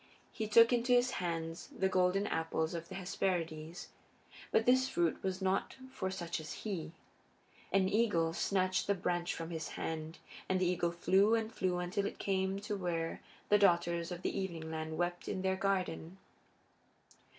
He took into his hands the golden apples of the Hesperides. But this fruit was not for such as he. An eagle snatched the branch from his hand, and the eagle flew and flew until it came to where the Daughters of the Evening Land wept in their garden.